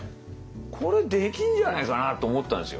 「これできんじゃねえかな」と思ったんですよ。